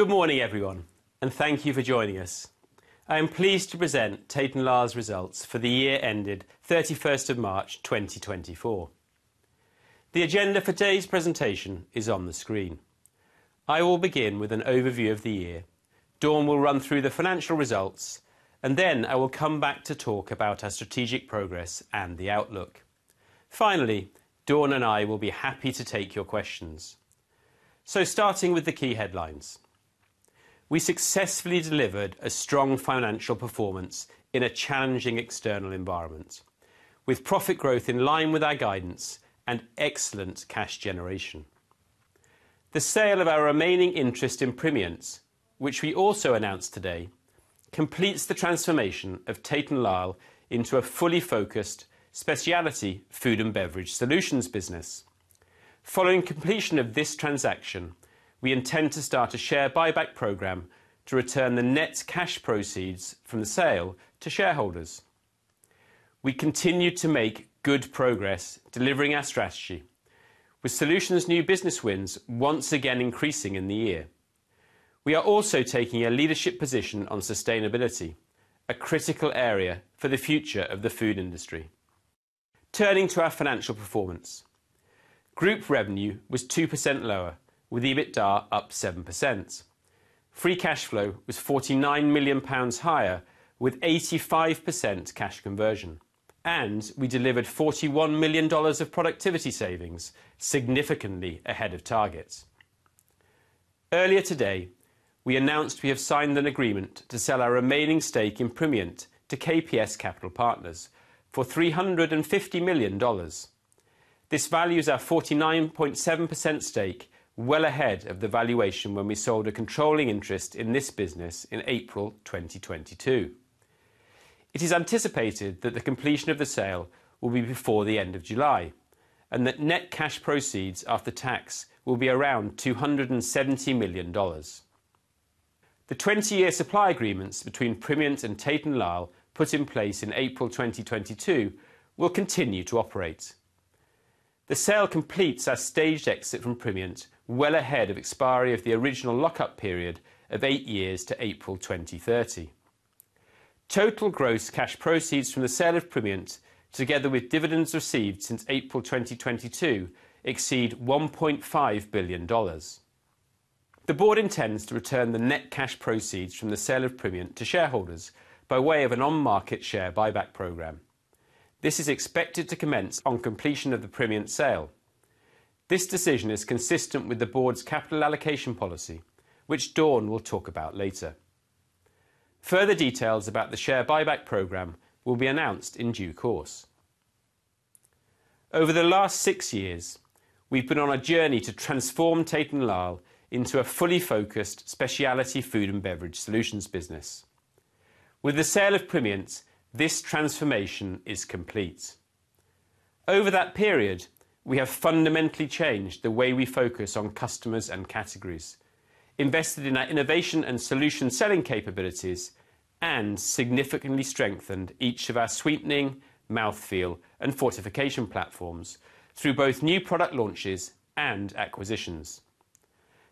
Good morning, everyone, and thank you for joining us. I am pleased to present Tate & Lyle's Results for the Year Ended March 31 2024. The agenda for today's presentation is on the screen. I will begin with an overview of the year. Dawn will run through the financial results, and then I will come back to talk about our strategic progress and the outlook. Finally, Dawn and I will be happy to take your questions. Starting with the key headlines, we successfully delivered a strong financial performance in a challenging external environment, with profit growth in line with our guidance and excellent cash generation. The sale of our remaining interest in Primient, which we also announced today, completes the transformation of Tate & Lyle into a fully focused specialty Food and Beverage Solutions business. Following completion of this transaction, we intend to start a share buyback program to return the net cash proceeds from the sale to shareholders. We continue to make good progress delivering our strategy, with solutions new business wins once again increasing in the year. We are also taking a leadership position on sustainability, a critical area for the future of the food industry. Turning to our financial performance, group revenue was 2% lower, with EBITDA up 7%. Free cash flow was 49 million pounds higher, with 85% cash conversion, and we delivered $41 million of productivity savings, significantly ahead of target. Earlier today, we announced we have signed an agreement to sell our remaining stake in Primient to KPS Capital Partners for $350 million. This values our 49.7% stake well ahead of the valuation when we sold a controlling interest in this business in April 2022. It is anticipated that the completion of the sale will be before the end of July, and that net cash proceeds after tax will be around $270 million. The 20-year supply agreements between Primient and Tate & Lyle, put in place in April 2022, will continue to operate. The sale completes our staged exit from Primient, well ahead of expiry of the original lockup period of eight years to April 2030. Total gross cash proceeds from the sale of Primient, together with dividends received since April 2022, exceed $1.5 billion. The board intends to return the net cash proceeds from the sale of Primient to shareholders by way of an on-market share buyback program. This is expected to commence on completion of the Primient sale. This decision is consistent with the board's capital allocation policy, which Dawn will talk about later. Further details about the share buyback program will be announced in due course. Over the last six years, we've been on a journey to transform Tate & Lyle into a fully focused specialty Food and Beverage Solutions business. With the sale of Primient, this transformation is complete. Over that period, we have fundamentally changed the way we focus on customers and categories, invested in our innovation and solution selling capabilities, and significantly strengthened each of our sweetening, mouthfeel, and fortification platforms through both new product launches and acquisitions.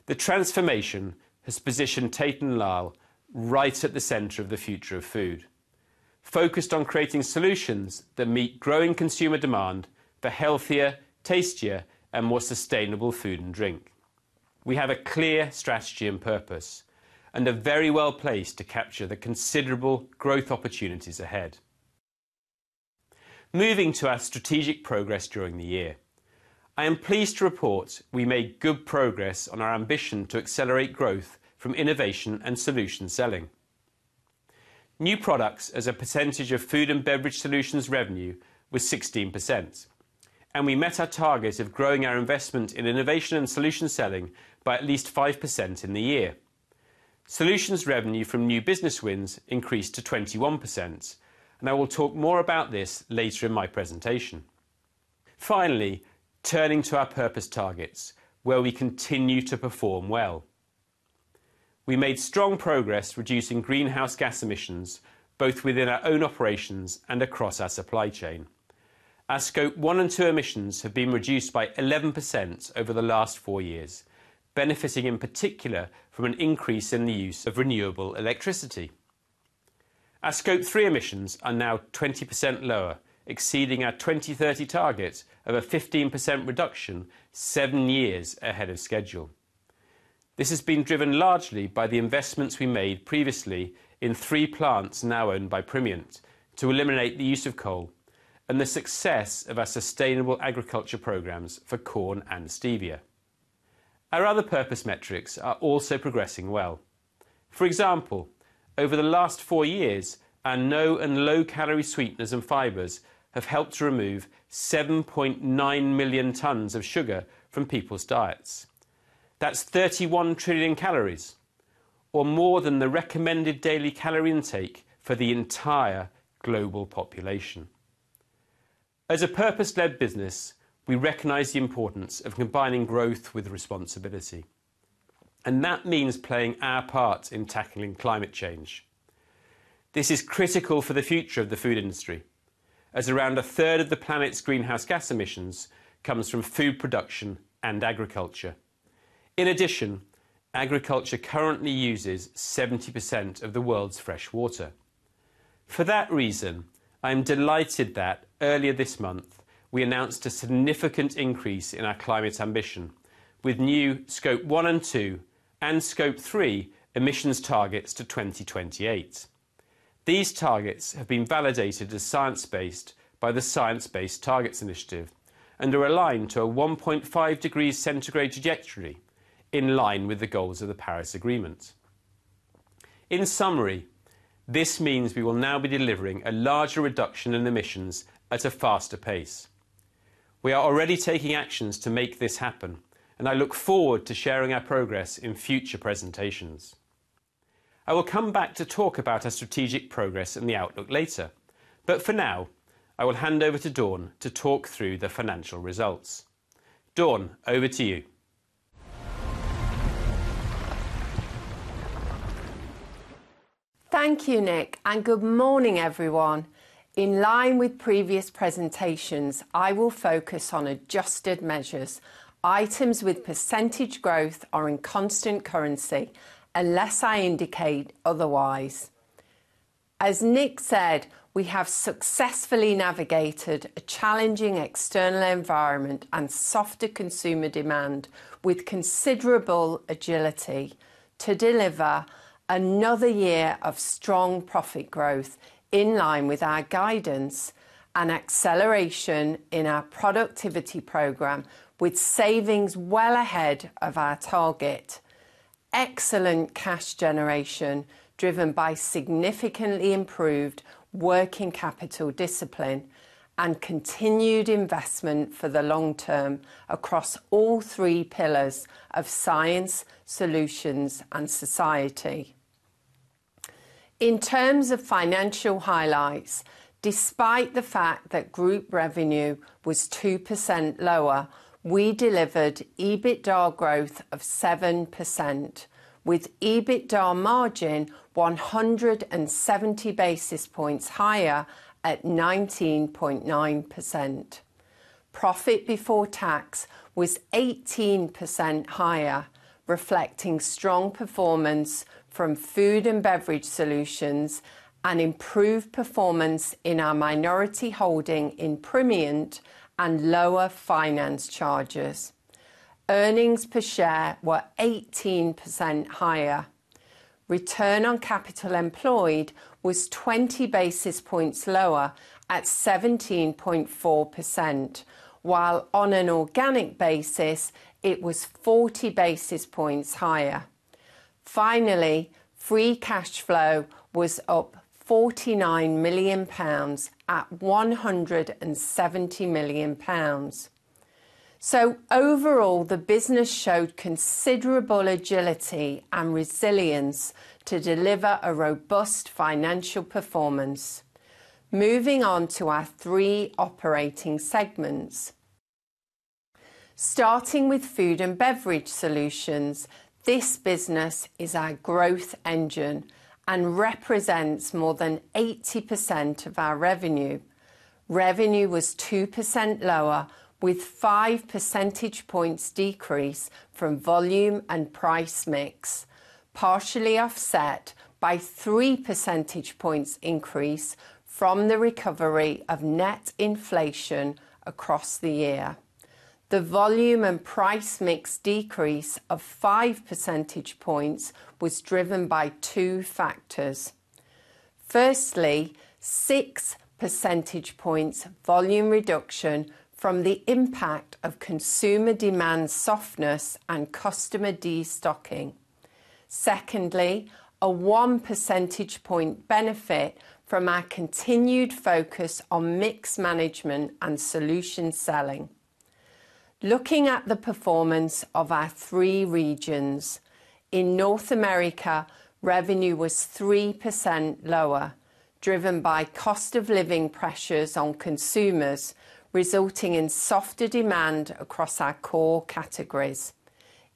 The transformation has positioned Tate & Lyle right at the center of the future of food, focused on creating solutions that meet growing consumer demand for healthier, tastier, and more sustainable food and drink. We have a clear strategy and purpose, and are very well-placed to capture the considerable growth opportunities ahead. Moving to our strategic progress during the year, I am pleased to report we made good progress on our ambition to accelerate growth from innovation and solution selling. New products as a percentage of Food and Beverage Solutions revenue was 16%, and we met our target of growing our investment in innovation and solution selling by at least 5% in the year. Solutions revenue from new business wins increased to 21%, and I will talk more about this later in my presentation. Finally, turning to our purpose targets, where we continue to perform well. We made strong progress reducing greenhouse gas emissions, both within our own operations and across our supply chain. Our Scope 1 and 2 emissions have been reduced by 11% over the last four years, benefiting in particular from an increase in the use of renewable electricity. Our Scope 3 emissions are now 20% lower, exceeding our 2030 target of a 15% reduction, seven years ahead of schedule. This has been driven largely by the investments we made previously in three plants now owned by Primient to eliminate the use of coal and the success of our sustainable agriculture programs for corn and stevia. Our other purpose metrics are also progressing well. For example, over the last four years, our no and low-calorie sweeteners and fibers have helped to remove 7.9 million tons of sugar from people's diets. That's 31 trillion calories, or more than the recommended daily calorie intake for the entire global population. As a purpose-led business, we recognize the importance of combining growth with responsibility, and that means playing our part in tackling climate change... This is critical for the future of the food industry, as around a third of the planet's greenhouse gas emissions comes from food production and agriculture. In addition, agriculture currently uses 70% of the world's fresh water. For that reason, I'm delighted that earlier this month, we announced a significant increase in our climate ambition, with new Scope 1 and 2, and Scope 3 emissions targets to 2028. These targets have been validated as science-based by the Science Based Targets initiative, and are aligned to a 1.5 degrees centigrade trajectory, in line with the goals of the Paris Agreement. In summary, this means we will now be delivering a larger reduction in emissions at a faster pace. We are already taking actions to make this happen, and I look forward to sharing our progress in future presentations. I will come back to talk about our strategic progress and the outlook later, but for now, I will hand over to Dawn to talk through the financial results. Dawn, over to you. Thank you, Nick, and good morning, everyone. In line with previous presentations, I will focus on adjusted measures. Items with percentage growth are in constant currency, unless I indicate otherwise. As Nick said, we have successfully navigated a challenging external environment and softer consumer demand with considerable agility to deliver another year of strong profit growth, in line with our guidance and acceleration in our productivity program, with savings well ahead of our target. Excellent cash generation, driven by significantly improved working capital discipline, and continued investment for the long term across all three pillars of science, solutions, and society. In terms of financial highlights, despite the fact that group revenue was 2% lower, we delivered EBITDA growth of 7%, with EBITDA margin 170 basis points higher at 19.9%. Profit before tax was 18% higher, reflecting strong performance from Food and Beverage Solutions, and improved performance in our minority holding in Primient, and lower finance charges. Earnings per share were 18% higher. Return on capital employed was 20 basis points lower at 17.4%, while on an organic basis, it was 40 basis points higher. Finally, free cash flow was up 49 million pounds, at 170 million pounds. So overall, the business showed considerable agility and resilience to deliver a robust financial performance. Moving on to our three operating segments. Starting with Food and Beverage Solutions, this business is our growth engine, and represents more than 80% of our revenue. Revenue was 2% lower, with five percentage points decrease from volume and price mix, partially offset by three percentage points increase from the recovery of net inflation across the year. The volume and price mix decrease of 5 percentage points was driven by two factors: firstly, 6 percentage points volume reduction from the impact of consumer demand softness and customer destocking. Secondly, a 1 percentage point benefit from our continued focus on mix management and solution selling. Looking at the performance of our three regions, in North America, revenue was 3% lower, driven by cost of living pressures on consumers, resulting in softer demand across our core categories.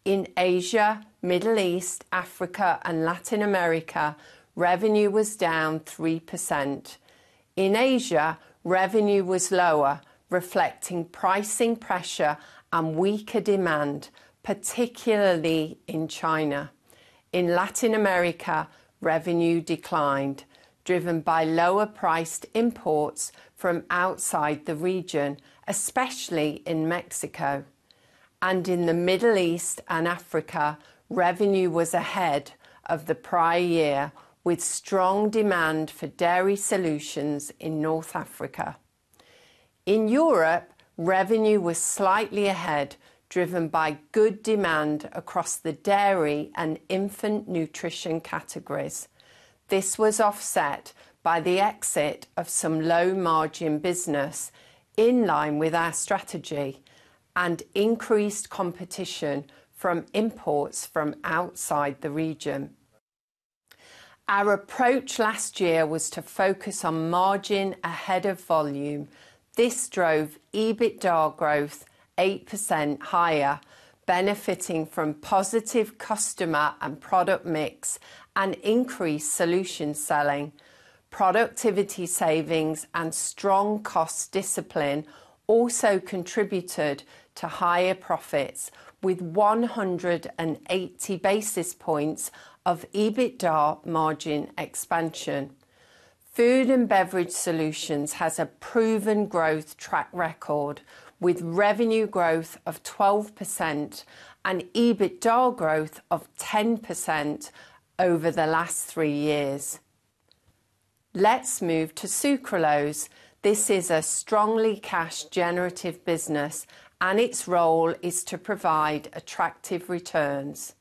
In Asia, Middle East, Africa, and Latin America, revenue was down 3%. In Asia, revenue was lower, reflecting pricing pressure and weaker demand, particularly in China. In Latin America, revenue declined, driven by lower priced imports from outside the region, especially in Mexico. In the Middle East and Africa, revenue was ahead of the prior year, with strong demand for dairy solutions in North Africa. In Europe, revenue was slightly ahead, driven by good demand across the dairy and infant nutrition categories. This was offset by the exit of some low margin business, in line with our strategy, and increased competition from imports from outside the region. Our approach last year was to focus on margin ahead of volume. This drove EBITDA growth 8% higher, benefiting from positive customer and product mix and increased solution selling, productivity savings, and strong cost discipline also contributed to higher profits, with 180 basis points of EBITDA margin expansion. Food and Beverage Solutions has a proven growth track record, with revenue growth of 12% and EBITDA growth of 10% over the last three years. Let's move to Sucralose. This is a strongly cash-generative business, and its role is to provide attractive returns.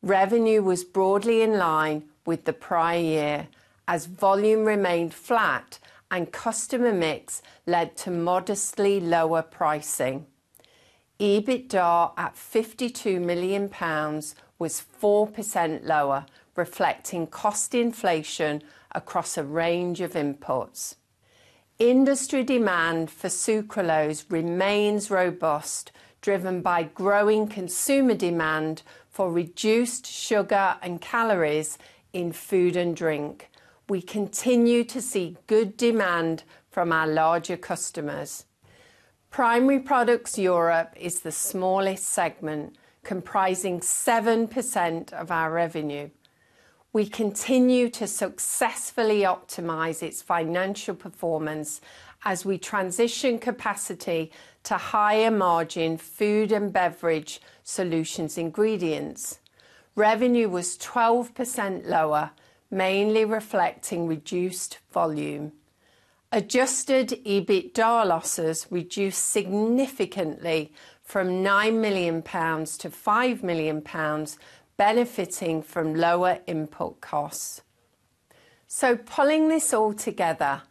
Revenue was broadly in line with the prior year, as volume remained flat and customer mix led to modestly lower pricing. EBITDA at 52 million pounds was 4% lower, reflecting cost inflation across a range of inputs. Industry demand for sucralose remains robust, driven by growing consumer demand for reduced sugar and calories in food and drink. We continue to see good demand from our larger customers. Primary Products Europe is the smallest segment, comprising 7% of our revenue. We continue to successfully optimize its financial performance as we transition capacity to higher-margin Food and Beverage Solutions ingredients. Revenue was 12% lower, mainly reflecting reduced volume. Adjusted EBITDA losses reduced significantly from 9 million pounds to 5 million pounds, benefiting from lower input costs. So pulling this all together,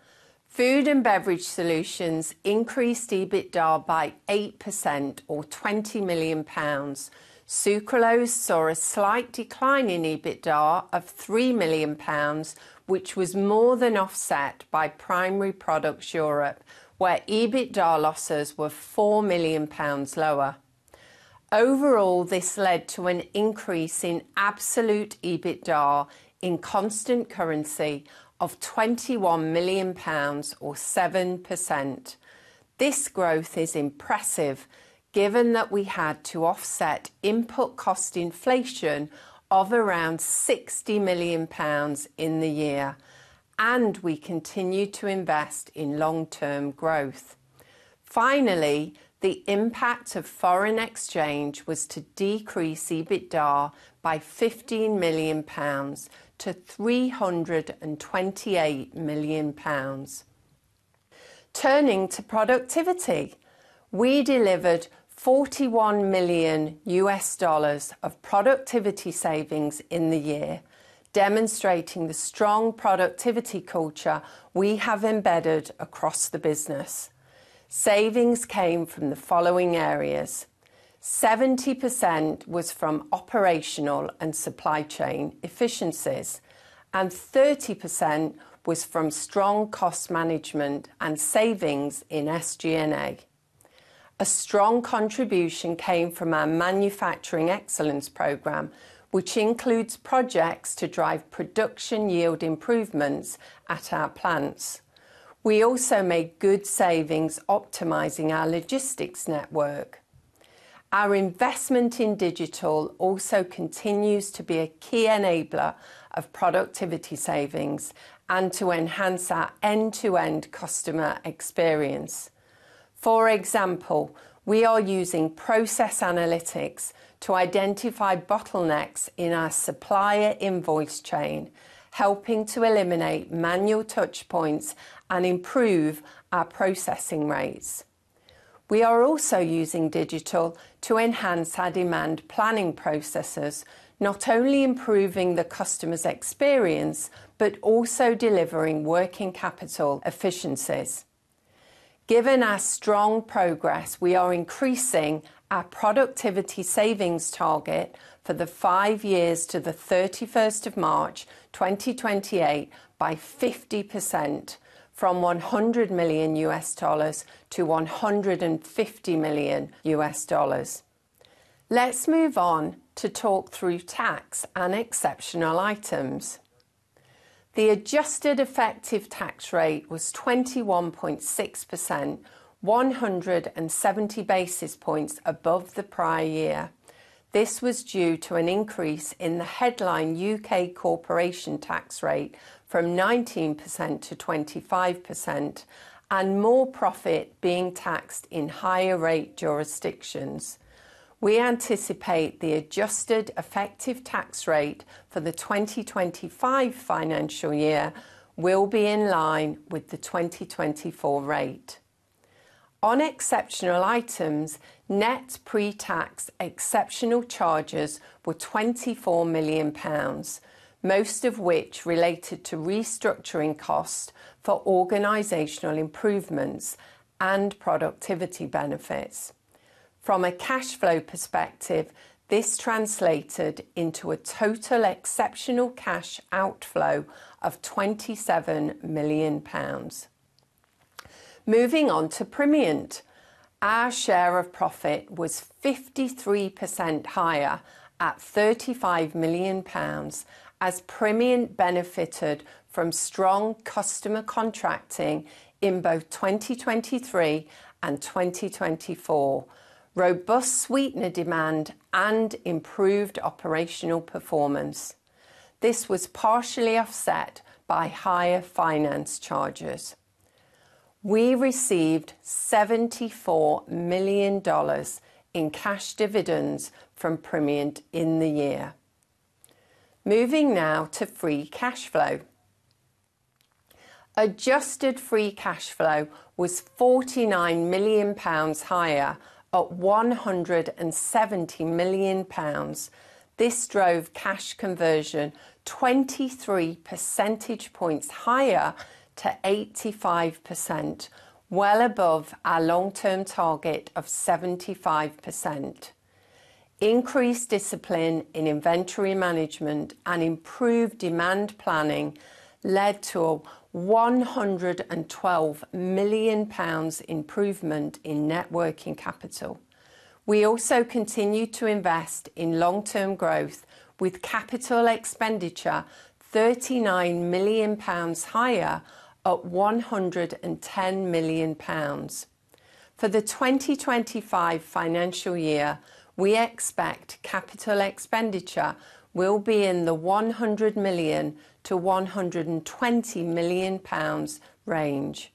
Food and Beverage Solutions increased EBITDA by 8%, or 20 million pounds. Sucralose saw a slight decline in EBITDA of 3 million pounds, which was more than offset by Primary Products Europe, where EBITDA losses were 4 million pounds lower. Overall, this led to an increase in absolute EBITDA in constant currency of 21 million pounds, or 7%. This growth is impressive, given that we had to offset input cost inflation of around 60 million pounds in the year, and we continued to invest in long-term growth. Finally, the impact of foreign exchange was to decrease EBITDA by GBP 15 million to GBP 328 million. Turning to productivity, we delivered $41 million of productivity savings in the year, demonstrating the strong productivity culture we have embedded across the business. Savings came from the following areas: 70% was from operational and supply chain efficiencies, and 30% was from strong cost management and savings in SG&A. A strong contribution came from our manufacturing excellence program, which includes projects to drive production yield improvements at our plants. We also made good savings optimizing our logistics network. Our investment in digital also continues to be a key enabler of productivity savings and to enhance our end-to-end customer experience. For example, we are using process analytics to identify bottlenecks in our supplier invoice chain, helping to eliminate manual touchpoints and improve our processing rates. We are also using digital to enhance our demand planning processes, not only improving the customer's experience, but also delivering working capital efficiencies. Given our strong progress, we are increasing our productivity savings target for the five years to the thirty-first of March, 2028, by 50%, from $100 million to $150 million. Let's move on to talk through tax and exceptional items. The adjusted effective tax rate was 21.6%, 170 basis points above the prior year. This was due to an increase in the headline U.K. corporation tax rate from 19% to 25%, and more profit being taxed in higher-rate jurisdictions. We anticipate the adjusted effective tax rate for the 2025 financial year will be in line with the 2024 rate. On exceptional items, net pre-tax exceptional charges were 24 million pounds, most of which related to restructuring costs for organizational improvements and productivity benefits. From a cash flow perspective, this translated into a total exceptional cash outflow of 27 million pounds. Moving on to Primient. Our share of profit was 53% higher at 35 million pounds, as Primient benefited from strong customer contracting in both 2023 and 2024, robust sweetener demand, and improved operational performance. This was partially offset by higher finance charges. We received $74 million in cash dividends from Primient in the year. Moving now to free cash flow. Adjusted free cash flow was 49 million pounds higher, at 170 million pounds. This drove cash conversion 23 percentage points higher to 85%, well above our long-term target of 75%. Increased discipline in inventory management and improved demand planning led to a 112 million pounds improvement in net working capital. We also continued to invest in long-term growth, with capital expenditure 39 million pounds higher at 110 million pounds. For the 2025 financial year, we expect capital expenditure will be in the 100 million-120 million pounds range.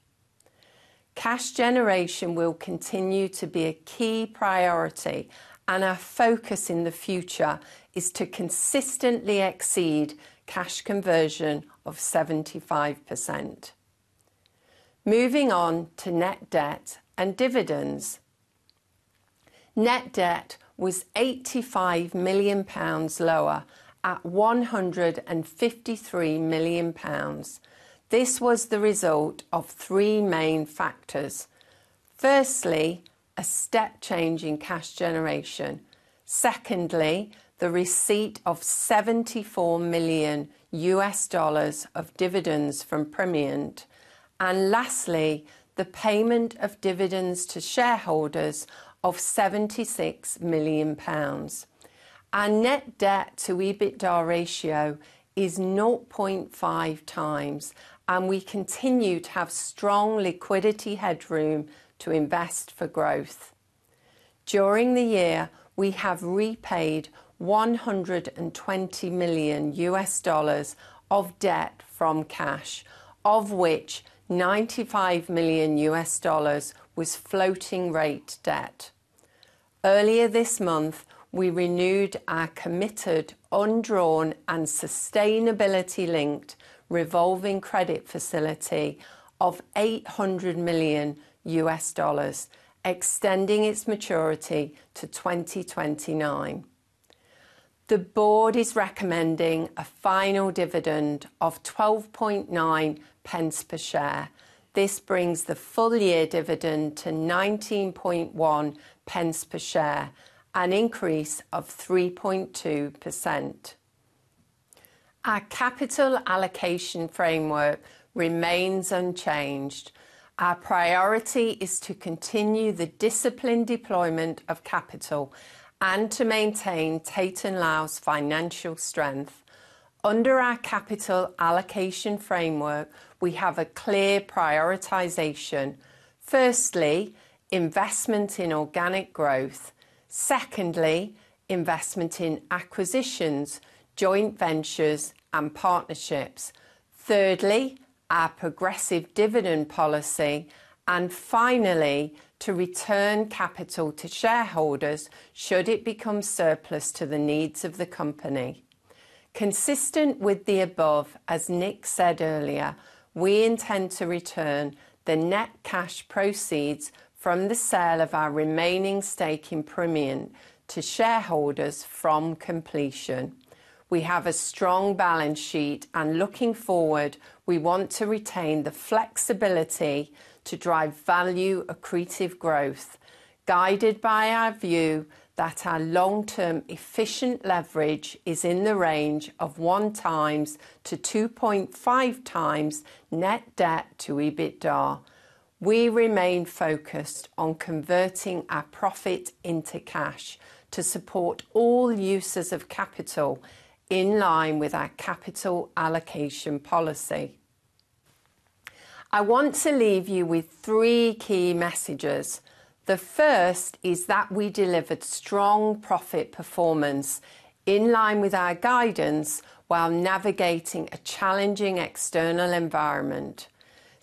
Cash generation will continue to be a key priority, and our focus in the future is to consistently exceed cash conversion of 75%. Moving on to net debt and dividends. Net debt was 85 million pounds lower, at 153 million pounds. This was the result of three main factors. Firstly, a step change in cash generation. Secondly, the receipt of $74 million of dividends from Primient. And lastly, the payment of dividends to shareholders of 76 million pounds. Our net debt to EBITDA ratio is 0.5x, and we continue to have strong liquidity headroom to invest for growth. During the year, we have repaid $120 million of debt from cash, of which $95 million was floating rate debt. Earlier this month, we renewed our committed undrawn and sustainability-linked revolving credit facility of $800 million, extending its maturity to 2029. The board is recommending a final dividend of 0.129 per share. This brings the full-year dividend to 0.191 per share, an increase of 3.2%. Our capital allocation framework remains unchanged. Our priority is to continue the disciplined deployment of capital and to maintain Tate & Lyle's financial strength. Under our capital allocation framework, we have a clear prioritization: firstly, investment in organic growth; secondly, investment in acquisitions, joint ventures, and partnerships; thirdly, our progressive dividend policy; and finally, to return capital to shareholders should it become surplus to the needs of the company. Consistent with the above, as Nick said earlier, we intend to return the net cash proceeds from the sale of our remaining stake in Primient to shareholders from completion. We have a strong balance sheet, and looking forward, we want to retain the flexibility to drive value-accretive growth, guided by our view that our long-term efficient leverage is in the range of 1x-2.5x net debt to EBITDA. We remain focused on converting our profit into cash to support all uses of capital in line with our capital allocation policy. I want to leave you with three key messages. The first is that we delivered strong profit performance in line with our guidance, while navigating a challenging external environment.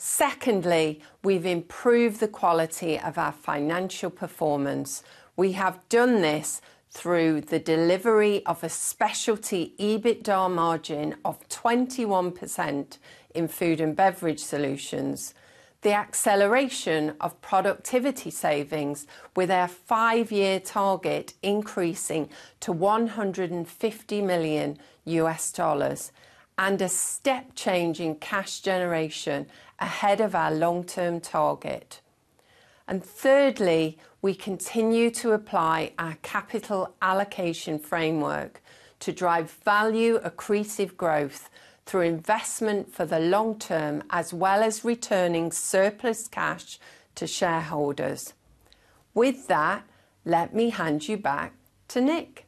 Secondly, we've improved the quality of our financial performance. We have done this through the delivery of a specialty EBITDA margin of 21% in Food and Beverage Solutions, the acceleration of productivity savings, with our five-year target increasing to $150 million, and a step change in cash generation ahead of our long-term target... and thirdly, we continue to apply our capital allocation framework to drive value accretive growth through investment for the long term, as well as returning surplus cash to shareholders. With that, let me hand you back to Nick.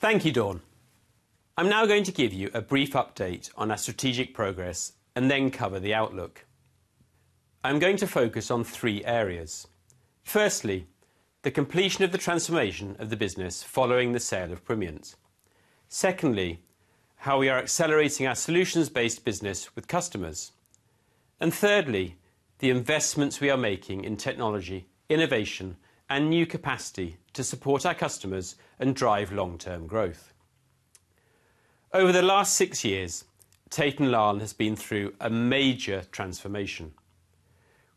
Thank you, Dawn. I'm now going to give you a brief update on our strategic progress, and then cover the outlook. I'm going to focus on three areas: firstly, the completion of the transformation of the business following the sale of Primient. Secondly, how we are accelerating our solutions-based business with customers. And thirdly, the investments we are making in technology, innovation, and new capacity to support our customers and drive long-term growth. Over the last six years, Tate & Lyle has been through a major transformation.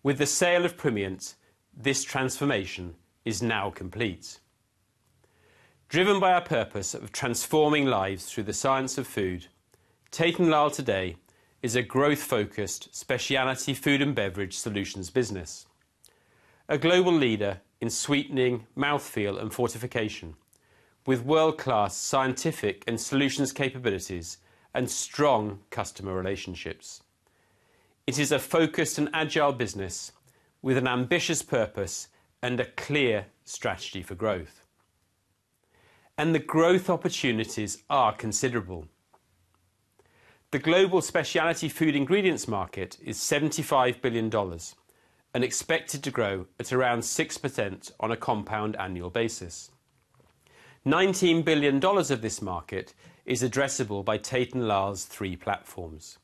With the sale of Primient, this transformation is now complete. Driven by our purpose of transforming lives through the science of food, Tate & Lyle today is a growth-focused specialty Food and Beverage Solutions business, a global leader in sweetening, mouthfeel, and fortification, with world-class scientific and solutions capabilities and strong customer relationships. It is a focused and agile business with an ambitious purpose and a clear strategy for growth, and the growth opportunities are considerable. The global specialty food ingredients market is $75 billion and expected to grow at around 6% on a compound annual basis. $19 billion of this market is addressable by Tate & Lyle's three platforms.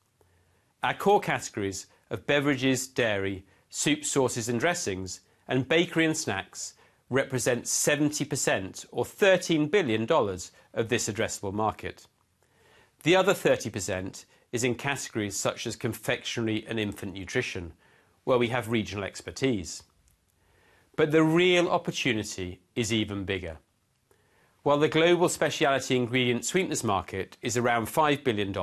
Our core categories of beverages, dairy, soups, sauces, and dressings, and bakery and snacks represent 70%, or $13 billion, of this addressable market. The other 30% is in categories such as confectionery and infant nutrition, where we have regional expertise. But the real opportunity is even bigger. While the global specialty ingredient sweeteners market is around $5 billion,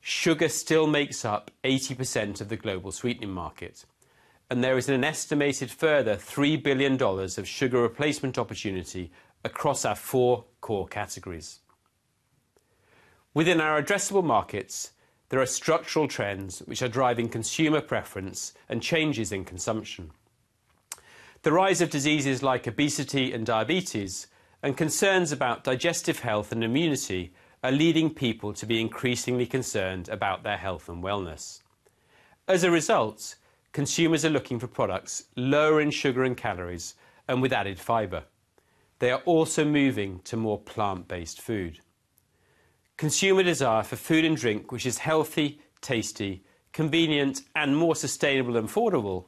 sugar still makes up 80% of the global sweetening market, and there is an estimated further $3 billion of sugar replacement opportunity across our four core categories. Within our addressable markets, there are structural trends which are driving consumer preference and changes in consumption. The rise of diseases like obesity and diabetes, and concerns about digestive health and immunity, are leading people to be increasingly concerned about their health and wellness. As a result, consumers are looking for products lower in sugar and calories and with added fiber. They are also moving to more plant-based food. Consumer desire for food and drink which is healthy, tasty, convenient, and more sustainable and affordable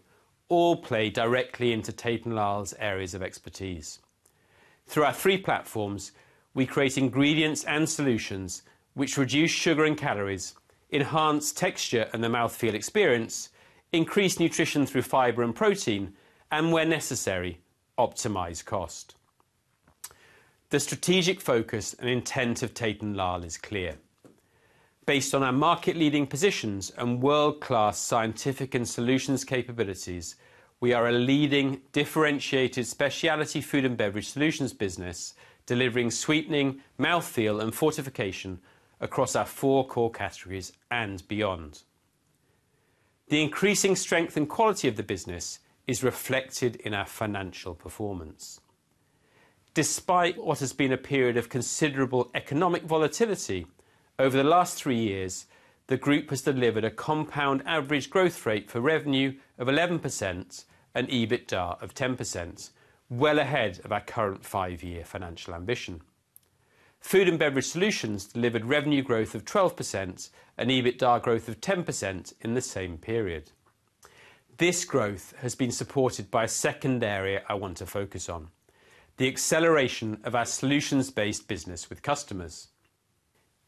all play directly into Tate & Lyle's areas of expertise. Through our three platforms, we create ingredients and solutions which reduce sugar and calories, enhance texture and the mouthfeel experience, increase nutrition through fiber and protein, and where necessary, optimize cost. The strategic focus and intent of Tate & Lyle is clear. Based on our market-leading positions and world-class scientific and solutions capabilities, we are a leading, differentiated specialty Food and Beverage Solutions business, delivering sweetening, mouthfeel, and fortification across our four core categories and beyond. The increasing strength and quality of the business is reflected in our financial performance. Despite what has been a period of considerable economic volatility over the last three years, the group has delivered a compound average growth rate for revenue of 11% and EBITDA of 10%, well ahead of our current five-year financial ambition. Food and Beverage Solutions delivered revenue growth of 12% and EBITDA growth of 10% in the same period. This growth has been supported by a second area I want to focus on, the acceleration of our solutions-based business with customers.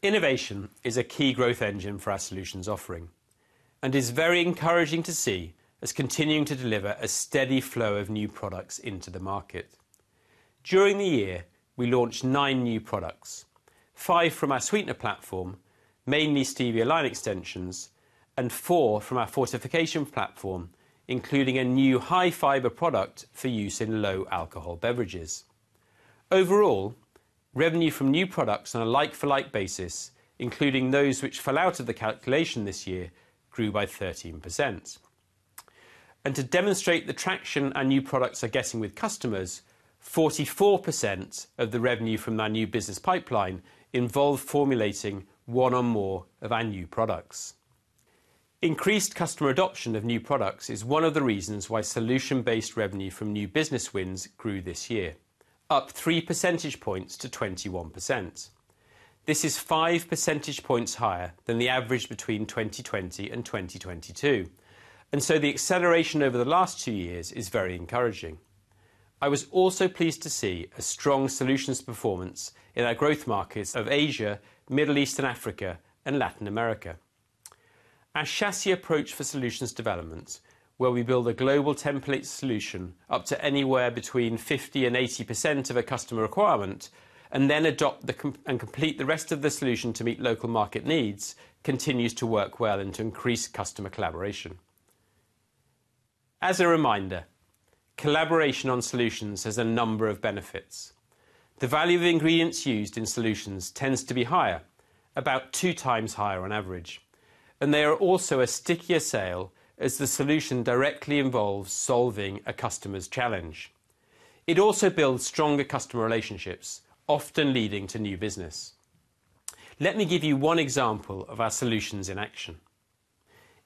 Innovation is a key growth engine for our solutions offering and is very encouraging to see as continuing to deliver a steady flow of new products into the market. During the year, we launched 9 new products, 5 from our sweetener platform, mainly stevia line extensions, and 4 from our fortification platform, including a new high-fiber product for use in low-alcohol beverages. Overall, revenue from new products on a like-for-like basis, including those which fell out of the calculation this year, grew by 13%. To demonstrate the traction our new products are getting with customers, 44% of the revenue from our new business pipeline involved formulating one or more of our new products. Increased customer adoption of new products is one of the reasons why solution-based revenue from new business wins grew this year, up three percentage points to 21%. This is five percentage points higher than the average between 2020 and 2022, and so the acceleration over the last two years is very encouraging. I was also pleased to see a strong solutions performance in our growth markets of Asia, Middle East and Africa, and Latin America.... Our chassis approach for solutions development, where we build a global template solution up to anywhere between 50%-80% of a customer requirement, and then adapt and complete the rest of the solution to meet local market needs, continues to work well and to increase customer collaboration. As a reminder, collaboration on solutions has a number of benefits. The value of the ingredients used in solutions tends to be higher, about two times higher on average, and they are also a stickier sale as the solution directly involves solving a customer's challenge. It also builds stronger customer relationships, often leading to new business. Let me give you one example of our solutions in action.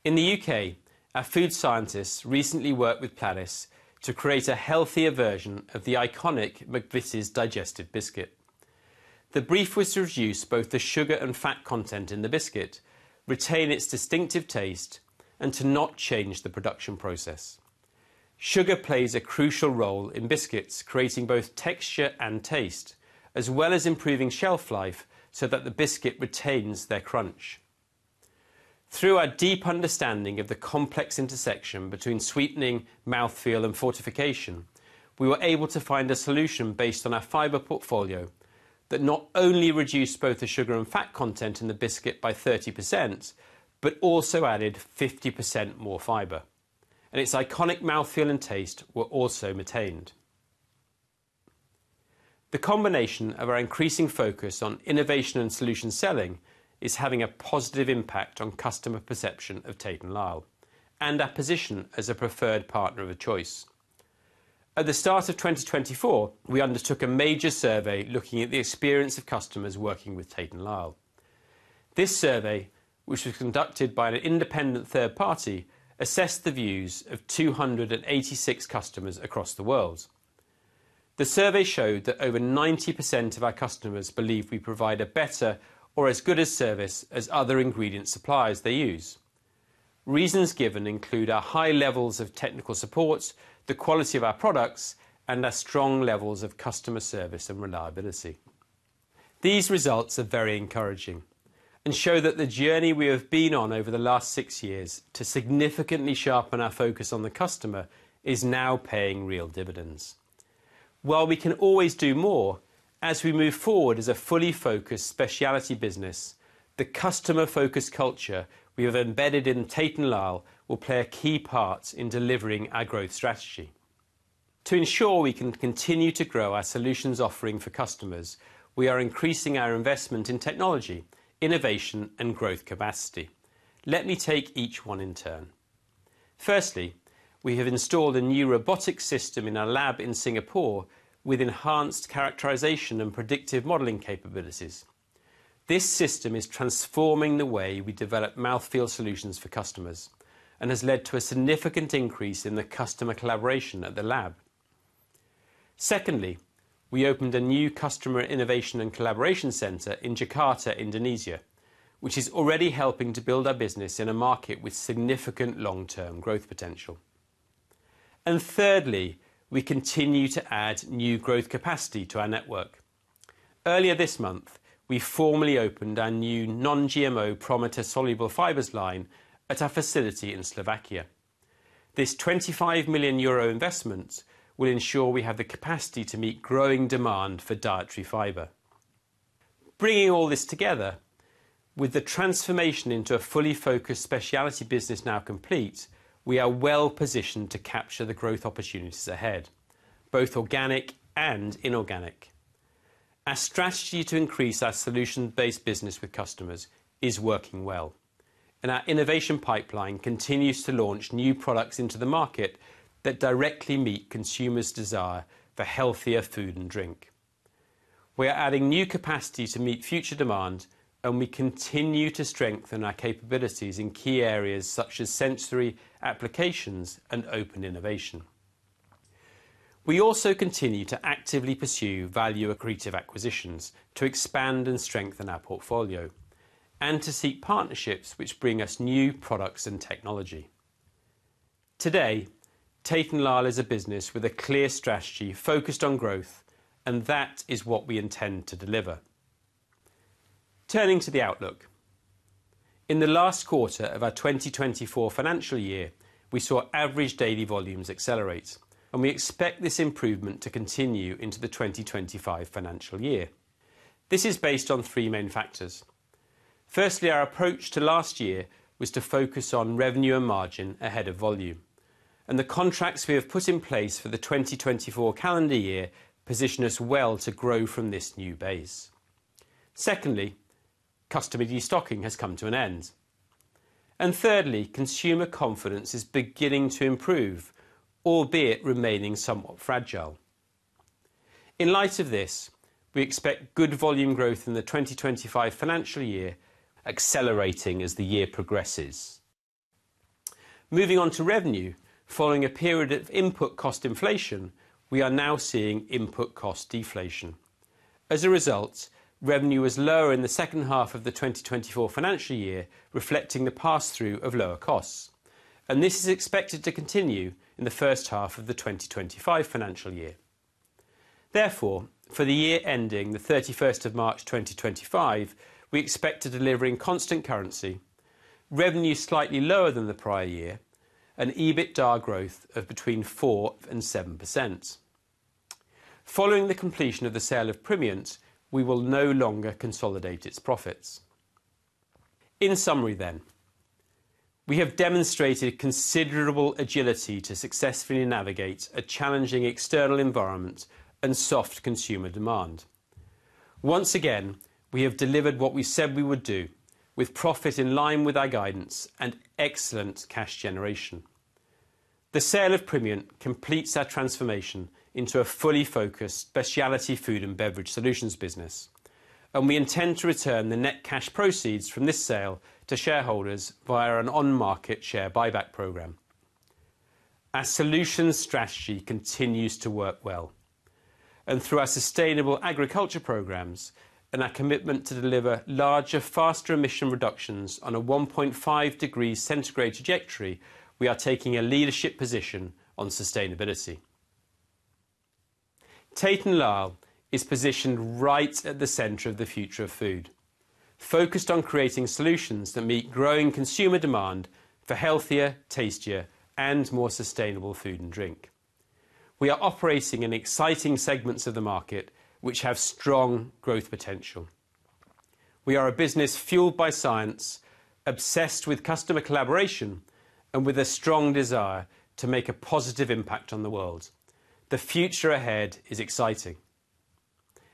In the U.K., our food scientists recently worked with McVitie's to create a healthier version of the iconic McVitie's Digestive biscuit. The brief was to reduce both the sugar and fat content in the biscuit, retain its distinctive taste, and to not change the production process. Sugar plays a crucial role in biscuits, creating both texture and taste, as well as improving shelf life so that the biscuit retains their crunch. Through our deep understanding of the complex intersection between sweetening, mouthfeel, and fortification, we were able to find a solution based on our fiber portfolio that not only reduced both the sugar and fat content in the biscuit by 30%, but also added 50% more fiber, and its iconic mouthfeel and taste were also maintained. The combination of our increasing focus on innovation and solution selling is having a positive impact on customer perception of Tate & Lyle and our position as a preferred partner of choice. At the start of 2024, we undertook a major survey looking at the experience of customers working with Tate & Lyle. This survey, which was conducted by an independent third party, assessed the views of 286 customers across the world. The survey showed that over 90% of our customers believe we provide a better or as good a service as other ingredient suppliers they use. Reasons given include our high levels of technical support, the quality of our products, and our strong levels of customer service and reliability. These results are very encouraging and show that the journey we have been on over the last six years to significantly sharpen our focus on the customer is now paying real dividends. While we can always do more, as we move forward as a fully focused specialty business, the customer-focused culture we have embedded in Tate & Lyle will play a key part in delivering our growth strategy. To ensure we can continue to grow our solutions offering for customers, we are increasing our investment in technology, innovation, and growth capacity. Let me take each one in turn. Firstly, we have installed a new robotic system in our lab in Singapore with enhanced characterization and predictive modeling capabilities. This system is transforming the way we develop mouthfeel solutions for customers and has led to a significant increase in the customer collaboration at the lab. Secondly, we opened a new customer innovation and collaboration center in Jakarta, Indonesia, which is already helping to build our business in a market with significant long-term growth potential. And thirdly, we continue to add new growth capacity to our network. Earlier this month, we formally opened our new non-GMO PROMITOR soluble fibers line at our facility in Slovakia. This 25 million euro investment will ensure we have the capacity to meet growing demand for dietary fiber. Bringing all this together, with the transformation into a fully focused specialty business now complete, we are well-positioned to capture the growth opportunities ahead, both organic and inorganic. Our strategy to increase our solution-based business with customers is working well, and our innovation pipeline continues to launch new products into the market that directly meet consumers' desire for healthier food and drink. We are adding new capacity to meet future demand, and we continue to strengthen our capabilities in key areas such as sensory, applications, and open innovation. We also continue to actively pursue value-accretive acquisitions to expand and strengthen our portfolio and to seek partnerships which bring us new products and technology. Today, Tate & Lyle is a business with a clear strategy focused on growth, and that is what we intend to deliver. Turning to the outlook. In the last quarter of our 2024 financial year, we saw average daily volumes accelerate, and we expect this improvement to continue into the 2025 financial year. This is based on three main factors: firstly, our approach to last year was to focus on revenue and margin ahead of volume, and the contracts we have put in place for the 2024 calendar year position us well to grow from this new base. Secondly, customer destocking has come to an end. And thirdly, consumer confidence is beginning to improve, albeit remaining somewhat fragile. In light of this, we expect good volume growth in the 2025 financial year, accelerating as the year progresses. Moving on to revenue. Following a period of input cost inflation, we are now seeing input cost deflation. As a result, revenue was lower in the second half of the 2024 financial year, reflecting the pass-through of lower costs, and this is expected to continue in the first half of the 2025 financial year. Therefore, for the year ending March 31, 2025, we expect to deliver in constant currency, revenue slightly lower than the prior year, and EBITDA growth of between 4% and 7%. Following the completion of the sale of Primient, we will no longer consolidate its profits. In summary then, we have demonstrated considerable agility to successfully navigate a challenging external environment and soft consumer demand. Once again, we have delivered what we said we would do, with profit in line with our guidance and excellent cash generation. The sale of Primient completes our transformation into a fully focused specialty Food and Beverage Solutions business, and we intend to return the net cash proceeds from this sale to shareholders via an on-market share buyback program. Our solutions strategy continues to work well, and through our sustainable agriculture programs and our commitment to deliver larger, faster emission reductions on a 1.5 degrees Celsius trajectory, we are taking a leadership position on sustainability. Tate & Lyle is positioned right at the center of the future of food, focused on creating solutions that meet growing consumer demand for healthier, tastier, and more sustainable food and drink. We are operating in exciting segments of the market, which have strong growth potential. We are a business fueled by science, obsessed with customer collaboration, and with a strong desire to make a positive impact on the world. The future ahead is exciting!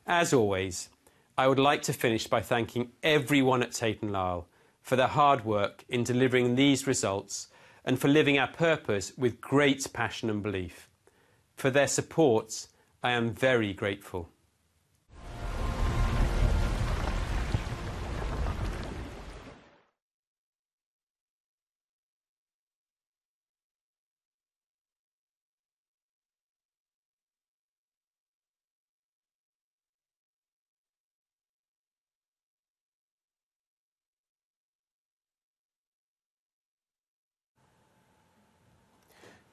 As always, I would like to finish by thanking everyone at Tate & Lyle for their hard work in delivering these results, and for living our purpose with great passion and belief. For their support, I am very grateful.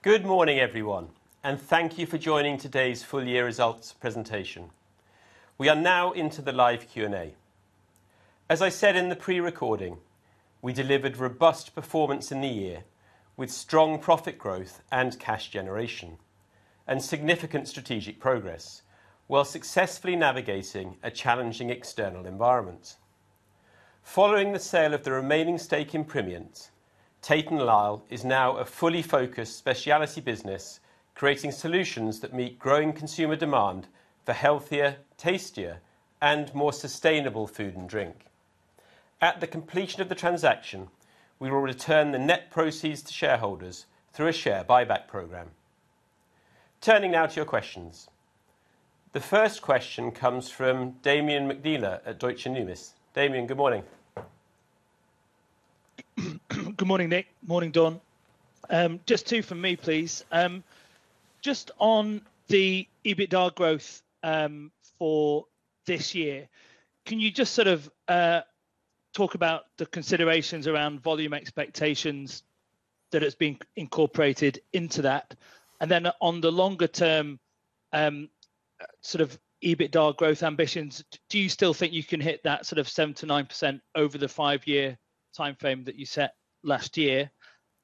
Good morning, everyone, and thank you for joining today's full year results presentation. We are now into the live Q&A. As I said in the pre-recording, we delivered robust performance in the year, with strong profit growth and cash generation, and significant strategic progress, while successfully navigating a challenging external environment. Following the sale of the remaining stake in Primient, Tate & Lyle is now a fully focused specialty business, creating solutions that meet growing consumer demand for healthier, tastier, and more sustainable food and drink. At the completion of the transaction, we will return the net proceeds to shareholders through a share buyback program. Turning now to your questions. The first question comes from Damian McNeela at Deutsche Numis. Damian, good morning. Good morning, Nick. Morning, Dawn. Just two from me, please. Just on the EBITDA growth, for this year, can you just sort of talk about the considerations around volume expectations that has been incorporated into that? And then on the longer term, sort of EBITDA growth ambitions, do you still think you can hit that sort of 7%-9% over the five-year timeframe that you set last year?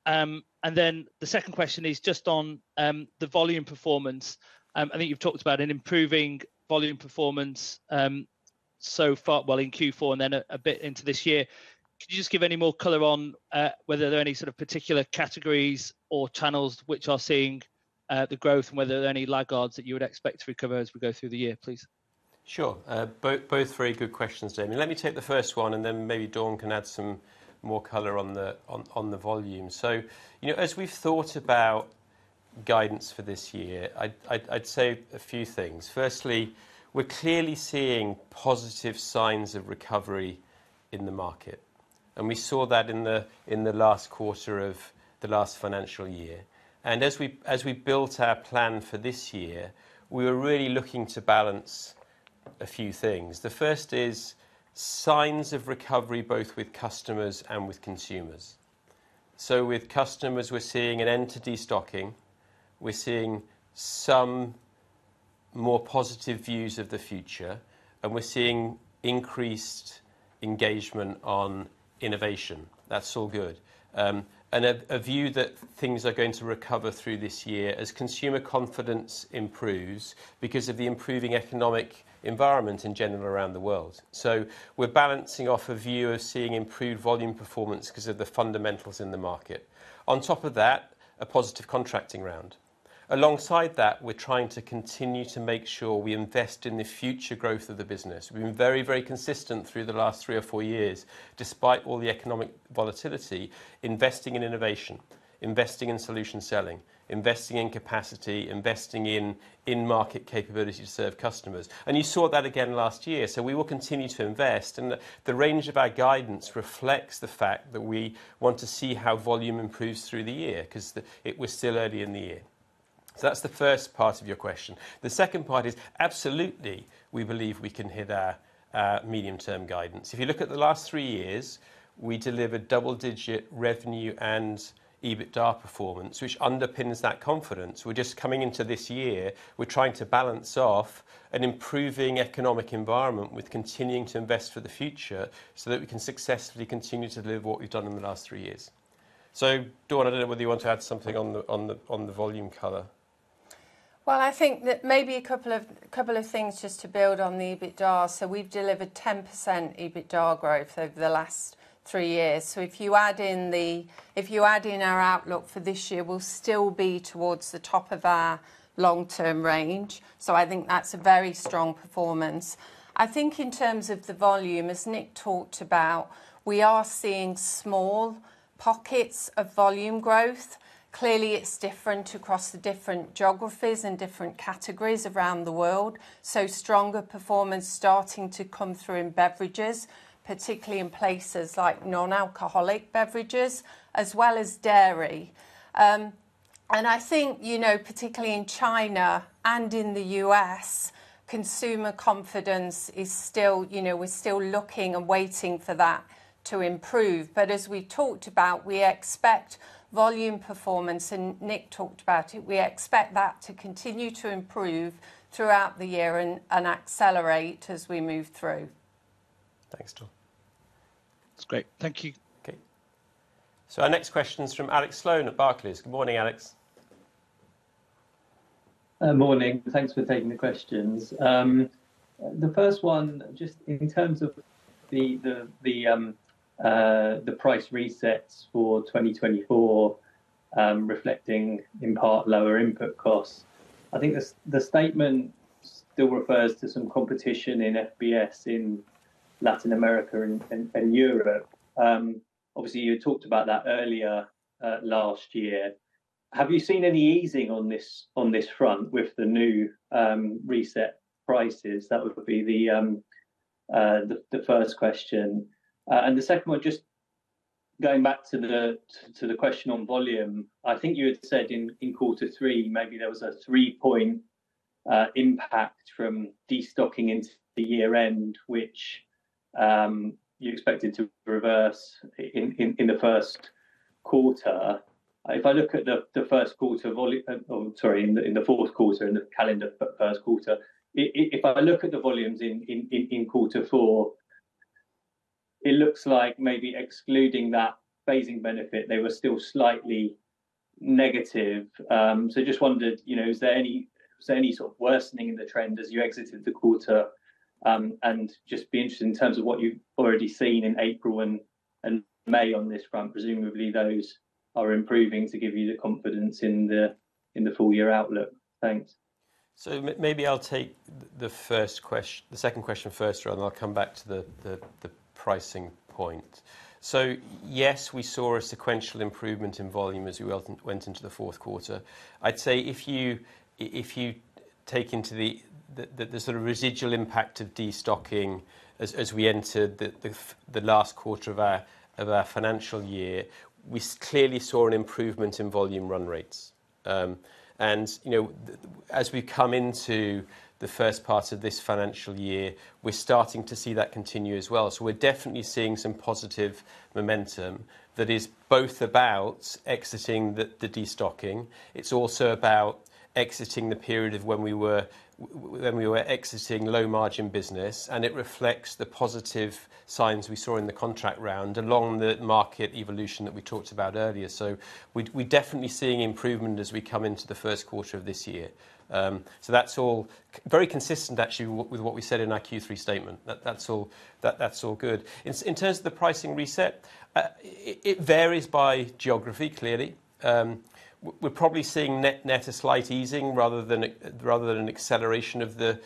And then the second question is just on the volume performance. I think you've talked about an improving volume performance, so far. Well, in Q4 and then a bit into this year. Could you just give any more color on whether there are any sort of particular categories or channels which are seeing the growth, and whether there are any laggards that you would expect to recover as we go through the year, please? Sure. Both, both very good questions, Damian. Let me take the first one, and then maybe Dawn can add some more color on the volume. So, you know, as we've thought about guidance for this year, I'd say a few things. Firstly, we're clearly seeing positive signs of recovery in the market, and we saw that in the last quarter of the last financial year. And as we built our plan for this year, we were really looking to balance a few things. The first is signs of recovery, both with customers and with consumers. So with customers, we're seeing an end to destocking, we're seeing some more positive views of the future, and we're seeing increased engagement on innovation. That's all good. A view that things are going to recover through this year, as consumer confidence improves because of the improving economic environment in general around the world. So we're balancing off a view of seeing improved volume performance 'cause of the fundamentals in the market. On top of that, a positive contracting round. Alongside that, we're trying to continue to make sure we invest in the future growth of the business. We've been very, very consistent through the last three or four years, despite all the economic volatility, investing in innovation, investing in solution selling, investing in capacity, investing in in-market capability to serve customers. And you saw that again last year. So we will continue to invest, and the range of our guidance reflects the fact that we want to see how volume improves through the year, 'cause we're still early in the year. So that's the first part of your question. The second part is, absolutely, we believe we can hit our medium-term guidance. If you look at the last three years, we delivered double-digit revenue and EBITDA performance, which underpins that confidence. We're just coming into this year, we're trying to balance off an improving economic environment with continuing to invest for the future, so that we can successfully continue to deliver what we've done in the last three years. So Dawn, I don't know whether you want to add something on the volume color? Well, I think that maybe a couple of things just to build on the EBITDA. So we've delivered 10% EBITDA growth over the last three years. So if you add in our outlook for this year, we'll still be towards the top of our long-term range. So I think that's a very strong performance. I think in terms of the volume, as Nick talked about, we are seeing small pockets of volume growth. Clearly, it's different across the different geographies and different categories around the world. So stronger performance starting to come through in beverages, particularly in places like non-alcoholic beverages as well as dairy. And I think, you know, particularly in China and in the U.S., consumer confidence is still, you know, we're still looking and waiting for that to improve. But as we talked about, we expect volume performance, and Nick talked about it, we expect that to continue to improve throughout the year and accelerate as we move through. Thanks, Dawn. That's great. Thank you. Okay. So our next question is from Alex Sloane at Barclays. Good morning, Alex. Morning. Thanks for taking the questions. The first one, just in terms of the price resets for 2024, reflecting in part lower input costs, I think the statement still refers to some competition in FBS in Latin America and Europe. Obviously, you talked about that earlier last year. Have you seen any easing on this front with the new reset prices? That would be the first question. And the second one, just going back to the question on volume. I think you had said in quarter three, maybe there was a three-point impact from destocking into the year-end, which you expected to reverse in the first quarter. If I look at the first quarter—sorry—in the fourth quarter, in the calendar first quarter, if I look at the volumes in quarter four, it looks like maybe excluding that phasing benefit, they were still slightly negative. So just wondered, you know, is there any sort of worsening in the trend as you exited the quarter? And just be interested in terms of what you've already seen in April and May on this front. Presumably, those are improving to give you the confidence in the full year outlook. Thanks. So maybe I'll take the second question first, rather, I'll come back to the pricing point. So yes, we saw a sequential improvement in volume as we went into the fourth quarter. I'd say if you take into the sort of residual impact of destocking as we entered the last quarter of our financial year, we clearly saw an improvement in volume run rates. And, you know, as we come into the first part of this financial year, we're starting to see that continue as well. So we're definitely seeing some positive momentum that is both about exiting the destocking. It's also about exiting the period of when we were when we were exiting low-margin business, and it reflects the positive signs we saw in the contract round, along the market evolution that we talked about earlier. So we're definitely seeing improvement as we come into the first quarter of this year. So that's all very consistent, actually, with what we said in our Q3 statement. That's all good. In terms of the pricing reset, it varies by geography, clearly. We're probably seeing net a slight easing rather than an acceleration of the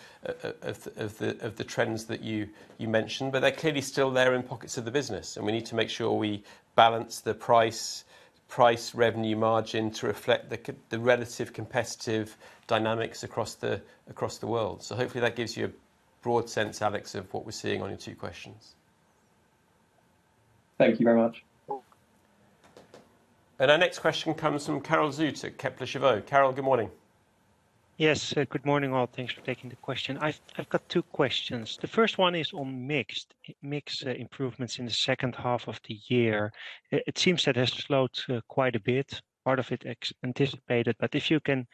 trends that you mentioned. But they're clearly still there in pockets of the business, and we need to make sure we balance the price, price revenue margin to reflect the relative competitive dynamics across the world. So hopefully, that gives you a broad sense, Alex, of what we're seeing on your two questions. Thank you very much. Our next question comes from Karel Zoete at Kepler Cheuvreux. Karel, good morning. Yes. Good morning, all. Thanks for taking the question. I've got two questions. The first one is on mixed improvements in the second half of the year. It seems that has slowed quite a bit, part of it as anticipated, but if you can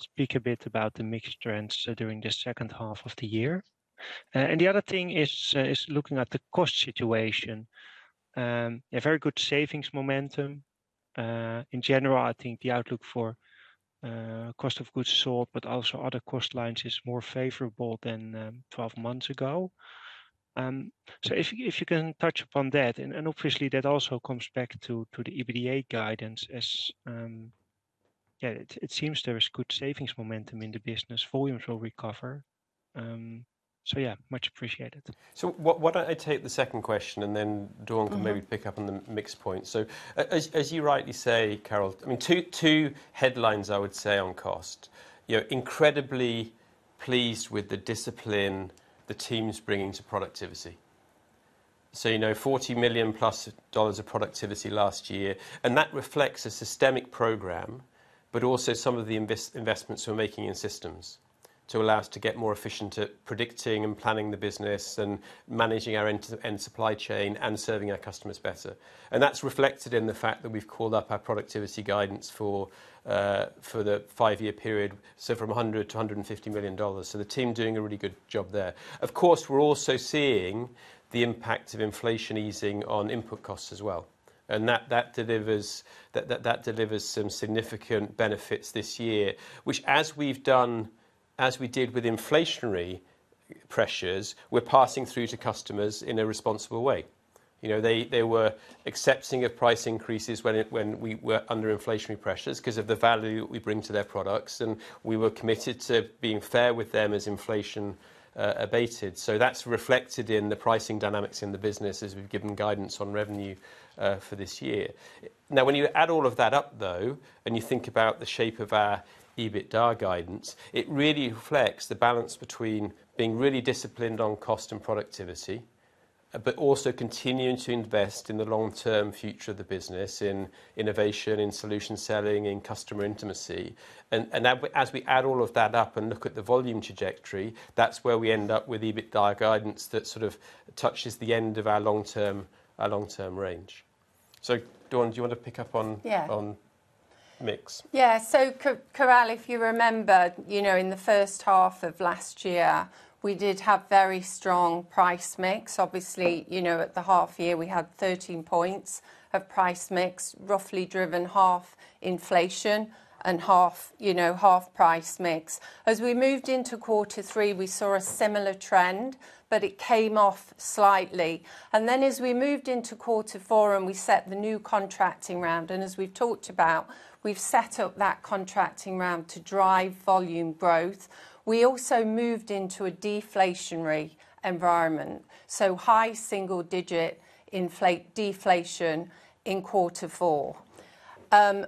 speak a bit about the mixed trends during the second half of the year. And the other thing is looking at the cost situation. A very good savings momentum. In general, I think the outlook for cost of goods sold, but also other cost lines is more favorable than 12 months ago. So if you can touch upon that, and obviously, that also comes back to the EBITDA guidance as... Yeah, it seems there is good savings momentum in the business. Volumes will recover. So yeah, much appreciated. So, why don't I take the second question, and then Dawn- Mm-hmm. Can maybe pick up on the mixed point? So as, as you rightly say, Karel, I mean, two headlines, I would say on cost. You know, incredibly pleased with the discipline the team is bringing to productivity. So you know, $40 million+ of productivity last year, and that reflects a systemic program, but also some of the investments we're making in systems to allow us to get more efficient at predicting and planning the business and managing our end-to-end supply chain and serving our customers better. And that's reflected in the fact that we've called up our productivity guidance for the five-year period, so from $100 million to $150 million. So the team doing a really good job there. Of course, we're also seeing the impact of inflation easing on input costs as well, and that delivers some significant benefits this year, which as we've done, as we did with inflationary pressures, we're passing through to customers in a responsible way. You know, they were accepting of price increases when we were under inflationary pressures because of the value we bring to their products, and we were committed to being fair with them as inflation abated. So that's reflected in the pricing dynamics in the business as we've given guidance on revenue for this year. Now, when you add all of that up, though, and you think about the shape of our EBITDA guidance, it really reflects the balance between being really disciplined on cost and productivity, but also continuing to invest in the long-term future of the business, in innovation, in solution selling, in customer intimacy. And, and as we, as we add all of that up and look at the volume trajectory, that's where we end up with EBITDA guidance that sort of touches the end of our long term, our long-term range. So, Dawn, do you want to pick up on- Yeah. - on mix? Yeah. So Karel, if you remember, you know, in the first half of last year, we did have very strong price mix. Obviously, you know, at the half year, we had 13 points of price mix, roughly driven half inflation and half, you know, half price mix. As we moved into quarter three, we saw a similar trend, but it came off slightly. And then, as we moved into quarter four and we set the new contracting round, and as we've talked about, we've set up that contracting round to drive volume growth. We also moved into a deflationary environment, so high single-digit deflation in quarter four.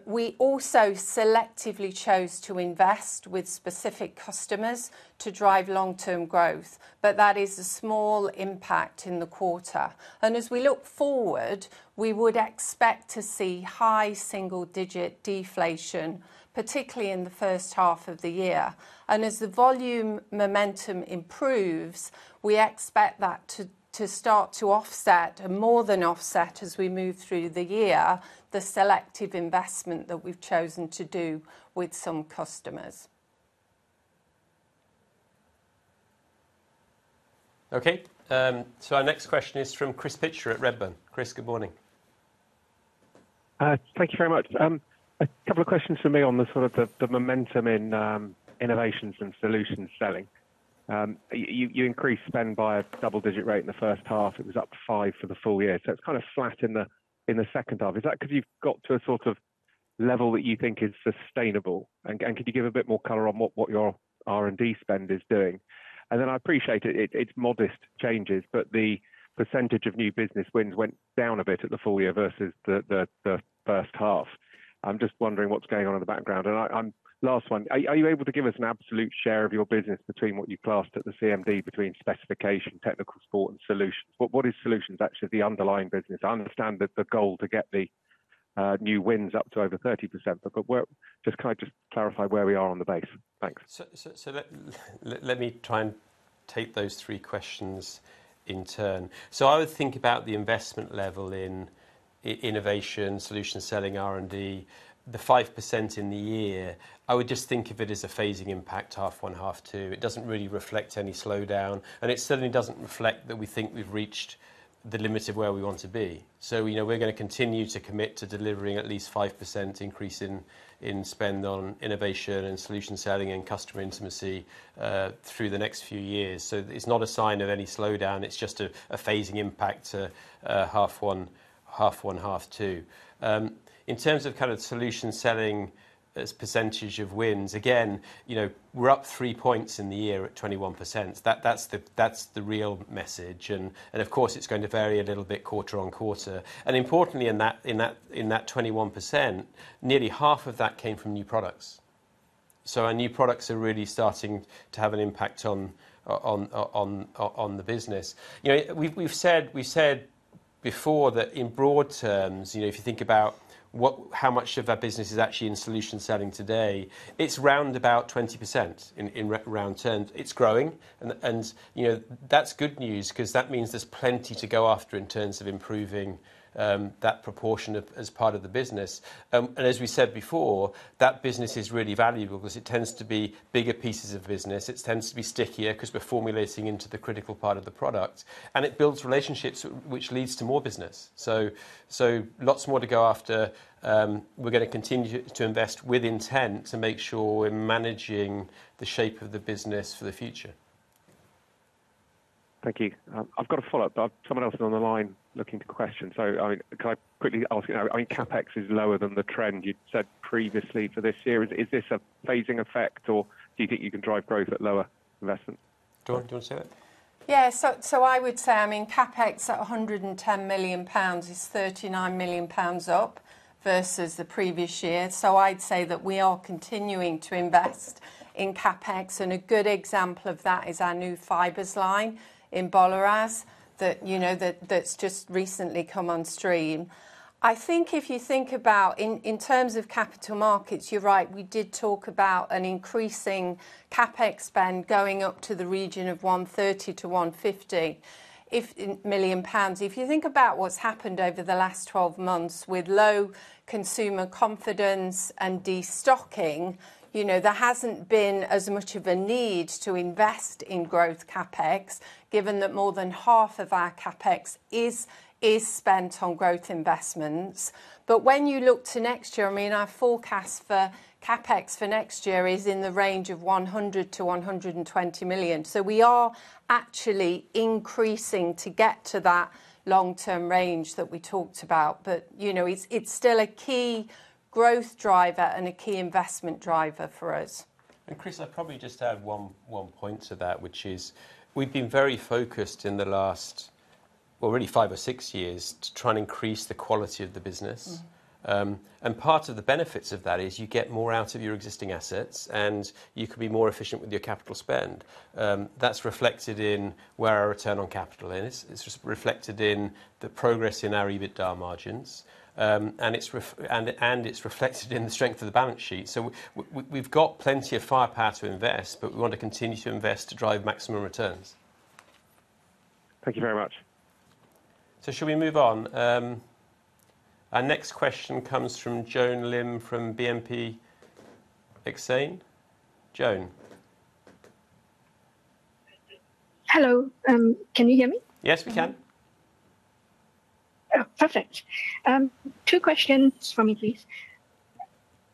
We also selectively chose to invest with specific customers to drive long-term growth, but that is a small impact in the quarter. As we look forward, we would expect to see high single-digit deflation, particularly in the first half of the year. As the volume momentum improves, we expect that to start to offset, and more than offset, as we move through the year, the selective investment that we've chosen to do with some customers. Okay, so our next question is from Chris Pitcher at Redburn. Chris, good morning. Thank you very much. A couple of questions from me on the sort of the momentum in innovations and solutions selling. You increased spend by a double-digit rate in the first half. It was up five for the full year, so it's kind of flat in the second half. Is that because you've got to a sort of level that you think is sustainable? And could you give a bit more color on what your R&D spend is doing? And then I appreciate it, it's modest changes, but the percentage of new business wins went down a bit at the full year versus the first half. I'm just wondering what's going on in the background. And I'm... Last one, are you able to give us an absolute share of your business between what you classed at the CMD, between specification, technical support, and solutions? What is solutions, actually, the underlying business? I understand that the goal to get the new wins up to over 30%, but just can I just clarify where we are on the base? Thanks. So let me try and take those three questions in turn. So I would think about the investment level in innovation, solution selling, R&D, the 5% in the year, I would just think of it as a phasing impact, half one, half two. It doesn't really reflect any slowdown, and it certainly doesn't reflect that we think we've reached the limits of where we want to be. So, you know, we're going to continue to commit to delivering at least 5% increase in spend on innovation and solution selling and customer intimacy through the next few years. So it's not a sign of any slowdown, it's just a phasing impact to half one, half two. In terms of kind of solution selling as percentage of wins, again, you know, we're up three points in the year at 21%. That's the real message. Of course, it's going to vary a little bit quarter-on-quarter. Importantly, in that 21%, nearly half of that came from new products. So our new products are really starting to have an impact on the business. You know, we've said before that in broad terms, you know, if you think about how much of our business is actually in solution selling today, it's round about 20% in round terms. It's growing, and, you know, that's good news because that means there's plenty to go after in terms of improving that proportion as part of the business. As we said before, that business is really valuable because it tends to be bigger pieces of business. It tends to be stickier because we're formulating into the critical part of the product, and it builds relationships, which leads to more business. So, lots more to go after. We're going to continue to invest with intent to make sure we're managing the shape of the business for the future. Thank you. I've got a follow-up, but someone else is on the line looking to question. So, can I quickly ask, you know, I mean, CapEx is lower than the trend you said previously for this year. Is this a phasing effect, or do you think you can drive growth at lower investment? Dawn, do you want to say that?... Yeah, so I would say, I mean, CapEx at 110 million pounds is 39 million pounds up versus the previous year. So I'd say that we are continuing to invest in CapEx, and a good example of that is our new fibers line in Boleráz, that, you know, that's just recently come on stream. I think if you think about in terms of capital markets, you're right, we did talk about an increasing CapEx spend going up to the region of 130 million-150 million pounds. If you think about what's happened over the last 12 months with low consumer confidence and destocking, you know, there hasn't been as much of a need to invest in growth CapEx, given that more than half of our CapEx is spent on growth investments. But when you look to next year, I mean, our forecast for CapEx for next year is in the range of 100 million-120 million. So we are actually increasing to get to that long-term range that we talked about. But, you know, it's, it's still a key growth driver and a key investment driver for us. Chris, I'd probably just add one point to that, which is we've been very focused in the last, well, really five or six years, to try and increase the quality of the business. Mm-hmm. And part of the benefits of that is you get more out of your existing assets, and you can be more efficient with your capital spend. That's reflected in where our return on capital is. It's reflected in the progress in our EBITDA margins. And it's reflected in the strength of the balance sheet. So we've got plenty of firepower to invest, but we want to continue to invest to drive maximum returns. Thank you very much. So should we move on? Our next question comes from Joan Lim, from BNP Paribas Exane. Joan? Hello, can you hear me? Yes, we can. Mm-hmm. Oh, perfect. Two questions from me, please.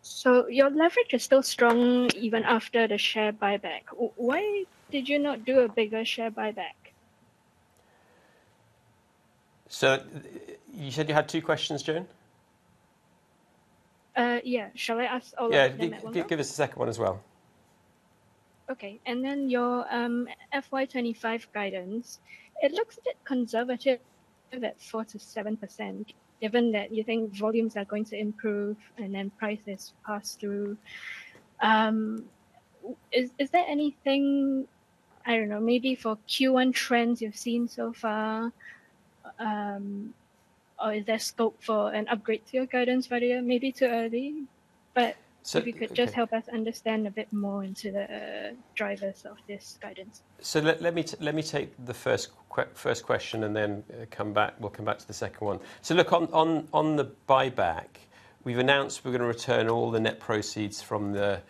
So your leverage is still strong even after the share buyback. Why did you not do a bigger share buyback? You said you had two questions, Joan? Yeah. Shall I ask all of them at one go? Yeah, give us the second one as well. Okay. And then your FY 2025 guidance, it looks a bit conservative at 4%-7%, given that you think volumes are going to improve and then prices pass through. Is there anything, I don't know, maybe for Q1 trends you've seen so far, or is there scope for an upgrade to your guidance earlier? Maybe too early, but- So-... if you could just help us understand a bit more into the drivers of this guidance. So let me take the first question and then we'll come back to the second one. So look, on the buyback, we've announced we're gonna return all the net proceeds from the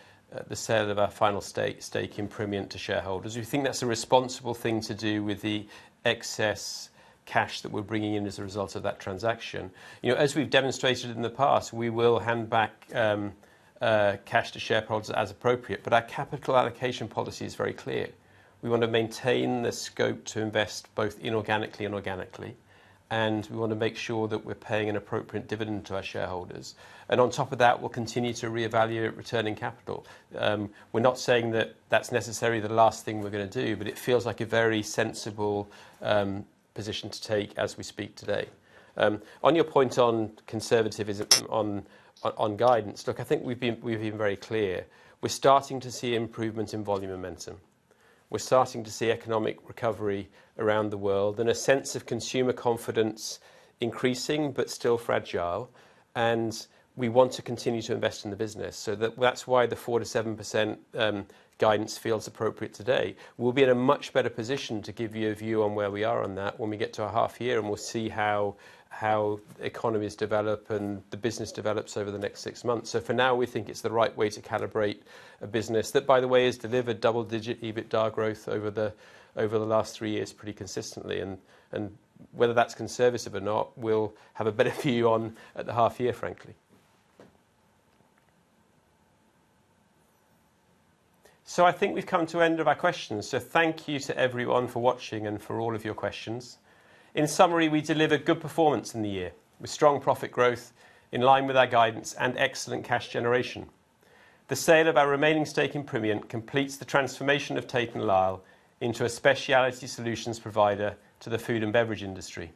sale of our final stake in Primient to shareholders. We think that's a responsible thing to do with the excess cash that we're bringing in as a result of that transaction. You know, as we've demonstrated in the past, we will hand back cash to shareholders as appropriate, but our capital allocation policy is very clear. We want to maintain the scope to invest both inorganically and organically, and we want to make sure that we're paying an appropriate dividend to our shareholders. And on top of that, we'll continue to reevaluate returning capital. We're not saying that that's necessarily the last thing we're gonna do, but it feels like a very sensible position to take as we speak today. On your point on conservative, is it on guidance, look, I think we've been very clear. We're starting to see improvements in volume momentum. We're starting to see economic recovery around the world and a sense of consumer confidence increasing, but still fragile, and we want to continue to invest in the business. So that's why the 4%-7% guidance feels appropriate today. We'll be in a much better position to give you a view on where we are on that when we get to a half year, and we'll see how economies develop and the business develops over the next six months. So for now, we think it's the right way to calibrate a business. That, by the way, has delivered double-digit EBITDA growth over the last three years, pretty consistently, and whether that's conservative or not, we'll have a better view on at the half year, frankly. So I think we've come to the end of our questions. So thank you to everyone for watching and for all of your questions. In summary, we delivered good performance in the year, with strong profit growth in line with our guidance and excellent cash generation. The sale of our remaining stake in Primient completes the transformation of Tate & Lyle into a specialty solutions provider to the food and beverage industry.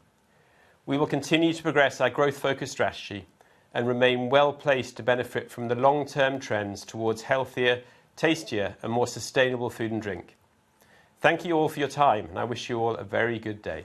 We will continue to progress our growth-focused strategy and remain well-placed to benefit from the long-term trends towards healthier, tastier, and more sustainable food and drink. Thank you all for your time, and I wish you all a very good day.